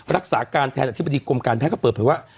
รักษาการแทนอธิบดีกรมการแพทย์ก็เปิดเผยว่า